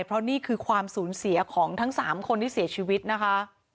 เพราะนี่คือความสูญเสียของทั้ง๓คนที่เสียชีวิตนะคะ